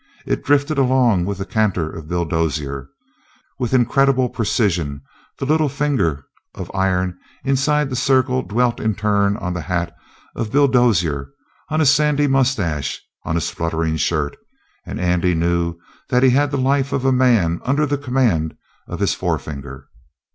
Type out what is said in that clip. It drifted along with the canter of Bill Dozier. With incredible precision the little finger of iron inside the circle dwelt in turn on the hat of Bill Dozier, on his sandy mustaches, on his fluttering shirt. And Andy knew that he had the life of a man under the command of his forefinger.